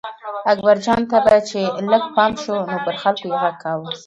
اکبرجان ته به چې لږ پام شو نو پر خلکو یې غږ کاوه.